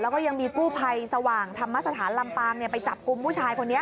แล้วก็ยังมีกู้ภัยสว่างธรรมสถานลำปางไปจับกลุ่มผู้ชายคนนี้